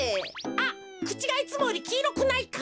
あっくちがいつもよりきいろくないか？